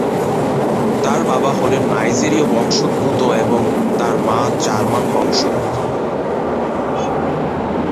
তার বাবা হলেন নাইজেরীয় বংশোদ্ভূত এবং তার মা জার্মান বংশোদ্ভূত।